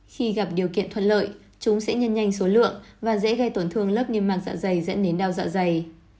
khi gặp điều kiện thuận lợi chúng sẽ nhân nhanh số lượng và dễ gây tổn thương lớp niêm mạc dạ dày dẫn đến đau dạ dày